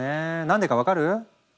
何でか分かる？